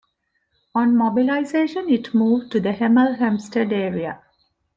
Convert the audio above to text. On mobilisation it moved to the Hemel Hempstead area.